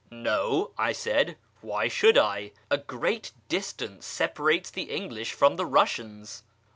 " No," I said, " why should I ? A great distance separates the English from the Eiissians."